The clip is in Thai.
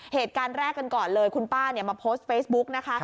เหตุการณ์แรกกันก่อนเลยคุณป้ามาโพสต์เฟซบุ๊กนะคะ